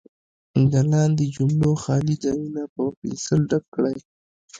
د لاندې جملو خالي ځایونه په پنسل ډک کړئ.